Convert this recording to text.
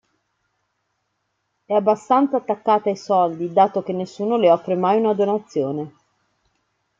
È abbastanza attaccata ai soldi dato che nessuno le offre mai una donazione.